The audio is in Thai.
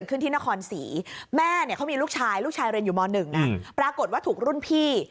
ขึ้นที่นครศรีแม่เนี่ยเขามีลูกชายลูกชายเรียนอยู่ม๑นะปรากฏว่าถูกรุ่นพี่